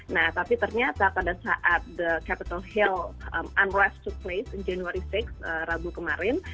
nah tapi ternyata pada saat capitol hill unrest took place januari enam rabu kemarin